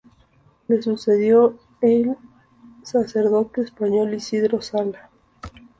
Le sucedió el sacerdote español Isidro Sala.